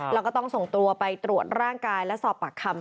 แล้วก็ต้องส่งตัวไปตรวจร่างกายและสอบปากคำ